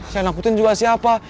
jangan angkutin juga siapa